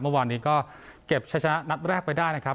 เมื่อวานนี้ก็เก็บชะชนะนัดแรกไปได้นะครับ